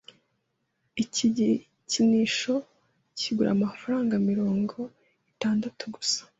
Iki gikinisho kigura amafaranga mirongo itandatu gusa.